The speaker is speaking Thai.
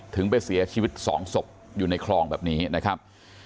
ถึงไปเสียชีวิต๒ศพอยู่ในคลองแบบนี้นะครับ